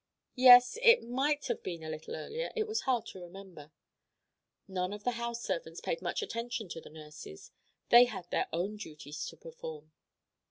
Yes; it might have been a little earlier; it was hard to remember. None of the house servants paid much attention to the nurses. They had their own duties to perform.